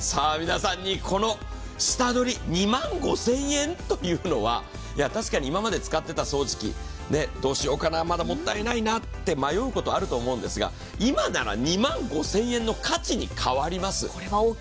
皆さんにこの下取り、２万５０００円というのは、確かに今まで使っていた掃除機、どうしようかな、まだもったいないなって迷うことあると思うんですが、今なら２万５０００円の価値に変わります。